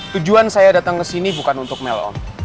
tujuan saya datang ke sini bukan untuk mel om